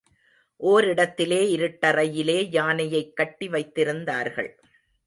ஓரிடத்திலே இருட்டறையிலே யானையைக் கட்டி வைத்திருந்தார்கள்.